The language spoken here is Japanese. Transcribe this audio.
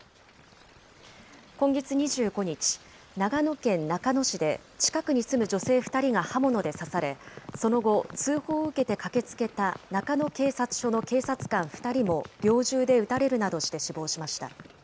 今月２５日、長野県中野市で、近くに住む女性２人が刃物で刺され、その後、通報を受けて駆けつけた中野警察署の警察官２人も猟銃で撃たれるなどして死亡しました。